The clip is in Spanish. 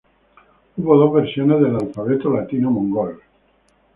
Hubo dos versiones del alfabeto latino mongol.